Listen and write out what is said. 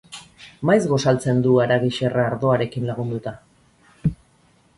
Maiz gosaltzen du haragi xerra ardoarekin lagunduta.